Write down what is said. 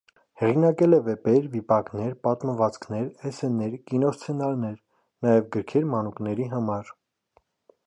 Հեղինակել է վեպեր, վիպակներ, պատմվածքներ, էսսեներ, կինոսցենարներ, նաև՝ գրքեր մանուկների համար։